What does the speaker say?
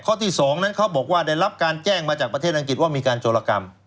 ที่๒นั้นเขาบอกว่าได้รับการแจ้งมาจากประเทศอังกฤษว่ามีการโจรกรรม